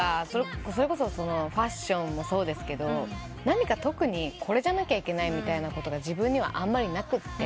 それこそファッションもそうですが何か特にこれじゃなきゃいけないみたいなことが自分にはあんまりなくって。